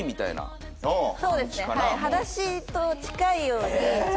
そうですねはい。